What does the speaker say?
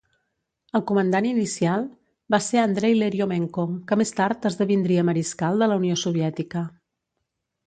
El comandant inicial va ser Andrei Ieriómenko, que més tard esdevindria mariscal de la Unió Soviètica.